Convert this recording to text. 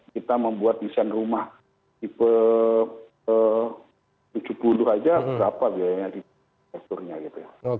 kita membuat desain rumah tipe tujuh puluh aja berapa biayanya di teksturnya gitu ya